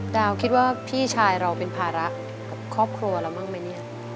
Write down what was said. ดาวคิดว่าพี่ชายเราเป็นภาระกับครอบครัวเราบ้างไหมเนี่ย